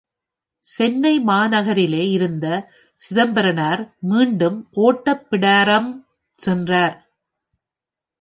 சென்னை மாநகரிலே இருந்த சிதம்பரனார் மீண்டும் ஒட்டப்பிடாரம் சென்றார்.